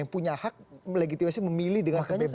yang punya hak melegitimasi memilih dengan kebebasan